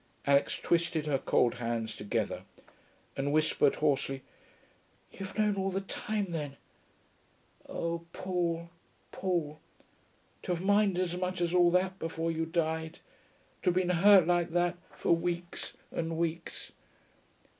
Alix twisted her cold hands together and whispered hoarsely, 'You've known all the time, then.... Oh, Paul, Paul to have minded as much as all that before you died ... to have been hurt like that for weeks and weeks....'